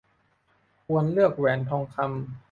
ควรเลือกแหวนทองคำ